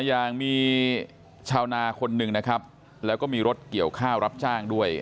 อย่างมีชาวนาคนหนึ่งนะครับแล้วก็มีรถเกี่ยวข้าวรับจ้างด้วย